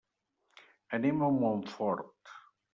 Anem a Montfort.